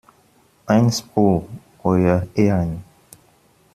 Einspruch, euer Ehren!